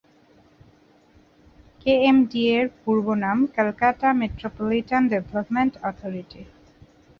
কেএমডিএ-এর পূর্বনাম Calcutta metropolitan development authority.